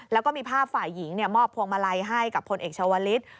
แล้วก็มีภาพฝ่ายหญิงมอบพวงมาลัยให้กับพลเอกชาวลิศ